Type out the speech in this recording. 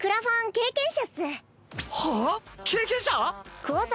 経験者。